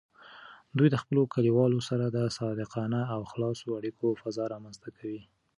دوی د خپلو کلیوالو سره د صادقانه او خلاصو اړیکو فضا رامینځته کوي.